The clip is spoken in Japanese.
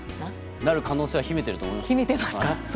なる可能性は秘めていると思います。